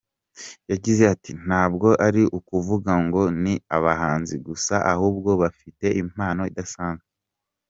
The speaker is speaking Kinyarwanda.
Yagize ati “Ntabwo ari ukuvuga ngo ni abahanzi gusa ahubwo bafite impano idasanzwe.